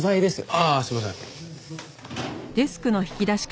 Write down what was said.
ああすいません。